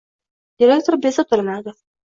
direktor bezovtalanadi